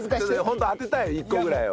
ホント当てたい１個ぐらいは。